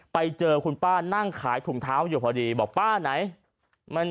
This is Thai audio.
ไปเจอคุณป้านั่งขายถุงเท้าอยู่พอดีบอกป้าไหน